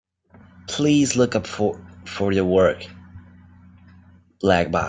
Please look up for the work, Black Box.